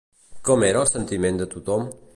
Com era el sentiment de tothom?